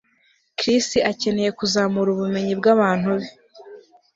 Chris akeneye kuzamura ubumenyi bwabantu be